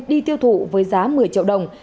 đi tiêu thụ với giá một mươi triệu đồng